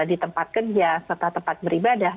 di tempat kerja serta tempat beribadah